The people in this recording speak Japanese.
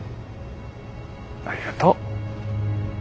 ありがとう。